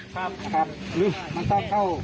ครับทบรรยาวะครับ